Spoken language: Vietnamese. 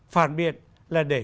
phản biện là để